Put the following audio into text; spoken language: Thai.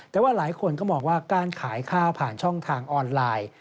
แต่ว่าหลายคนก็มองว่าการขายข้าวผ่านช่องทางออนไลน์